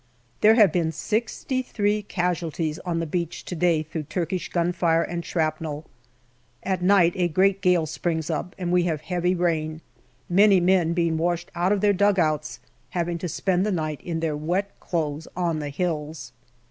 There have been sixty three casualties on the beach to day through Turkish gun fire and shrapnel. At night a great gale springs up, and we have heavy rain, many men being washed out of their dugouts, having to spend the night in their wet clothes on the hills.